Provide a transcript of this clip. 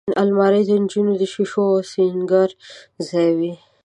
الماري د نجونو د شیشو او سینګار ځای وي